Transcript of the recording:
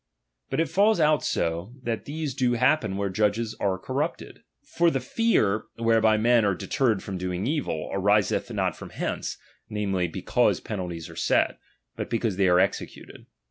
But it falls out so, that these do ^^H happen where judges are corrupted. For the fear DOMINION. 181 whereby men are deterred from doing evil, ariseth chap. xiir. not from hence, namely, because penalties are set, '^i^"" but because they are executed.